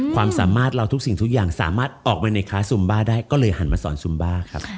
ความสามารถเราทุกสิ่งทุกอย่างสามารถออกไปในค้าซุมบ้าได้ก็เลยหันมาสอนซุมบ้าครับ